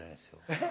えっ？